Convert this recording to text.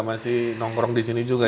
masih terong disini juga